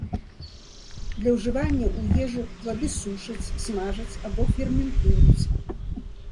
Для ўжывання ў ежу плады сушаць, смажаць або ферментуюць.